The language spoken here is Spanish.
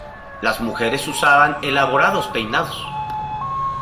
Las mujeres usaban elaborados peinados.